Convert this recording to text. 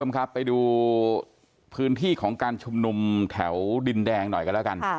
คุณผู้ชมครับไปดูพื้นที่ของการชุมนุมแถวดินแดงหน่อยกันแล้วกัน